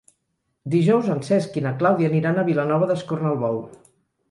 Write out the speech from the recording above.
Dijous en Cesc i na Clàudia aniran a Vilanova d'Escornalbou.